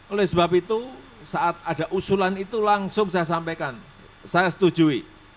oleh sebab itu saat ada usulan itu langsung saya sampaikan saya setujui